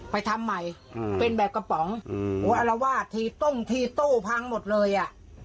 ไปทำใหม่อืมเป็นแบบกระป๋องอืมโหอัลว่าทีต้มทีโต้พังหมดเลยอ่ะ